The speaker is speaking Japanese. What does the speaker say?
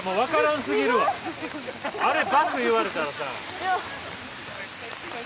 あれバス言われたらさ。